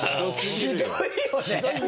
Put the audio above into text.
ひどいよね。